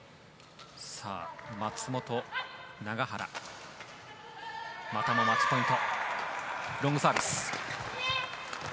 松本、永原またもマッチポイント。